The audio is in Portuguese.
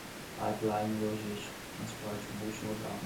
pipeline logístico, transporte multimodal